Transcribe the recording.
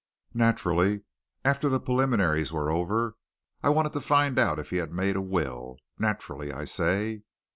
Naturally, after the preliminaries were over, I wanted to find out if he'd made a will naturally, I say."